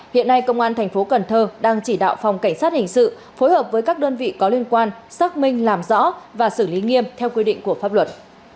hiện nay công an thành phố cần thơ đang chỉ đạo phòng cảnh sát hình sự phối hợp với các đơn vị có liên quan xác minh làm rõ và xử lý nghiêm theo quy định của pháp luật